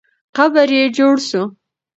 قبر یې جوړ سو.